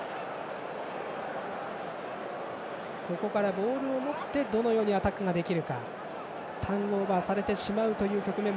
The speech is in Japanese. ボールを持ってどのようにアタックできるか。